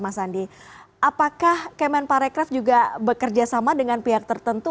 apakah kemenparekraf juga bekerja sama dengan pihak tertentu